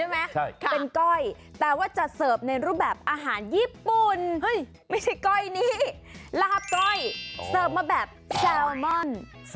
ไม่ใช่ก้อยนี้ลาบก้อยเซิร์ฟมาแบบแซลมอน